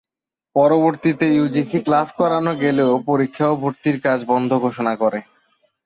পরবর্তীতে UGC class করানো গেলেও পরীক্ষা ও ভর্তির কাজ বন্ধ ঘোষণা করে।